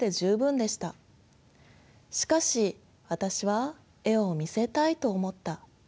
しかし私は絵を見せたいと思った。